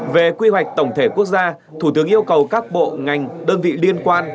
về quy hoạch tổng thể quốc gia thủ tướng yêu cầu các bộ ngành đơn vị liên quan